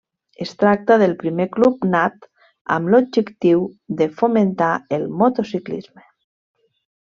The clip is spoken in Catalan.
Es tracta del primer club nat amb l'objectiu de fomentar el motociclisme.